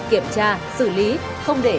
kiểm tra xử lý không để